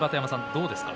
どうですか？